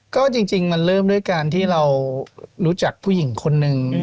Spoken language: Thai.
ก็จริงมันเริ่มด้วยการที่เรารู้จักผู้หญิงคนนึง